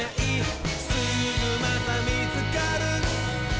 「すぐまたみつかる」